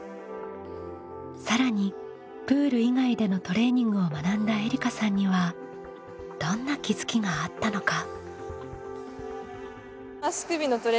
更にプール以外でのトレーニングを学んだえりかさんにはどんな気づきがあったのか。